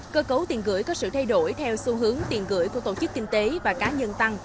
cơ cấu tiền gửi có sự thay đổi theo xu hướng tiền gửi của tổ chức kinh tế và cá nhân tăng